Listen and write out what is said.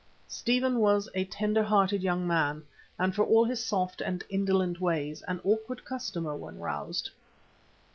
Stephen was a tender hearted young man, and for all his soft and indolent ways, an awkward customer when roused.